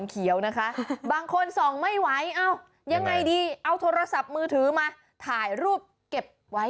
เออ